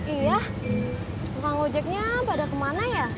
iya tukang ojeknya pada kemana ya